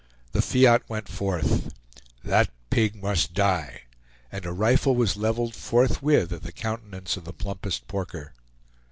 The fiat went forth, "That pig must die," and a rifle was leveled forthwith at the countenance of the plumpest porker.